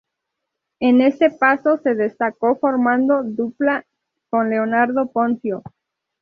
En este paso se destacó formando dupla con Leonardo Ponzio.